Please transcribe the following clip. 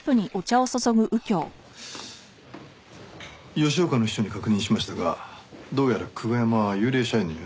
吉岡の秘書に確認しましたがどうやら久我山は幽霊社員のようですね。